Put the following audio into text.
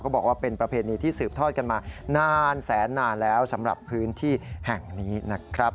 บอกว่าเป็นประเพณีที่สืบทอดกันมานานแสนนานแล้วสำหรับพื้นที่แห่งนี้นะครับ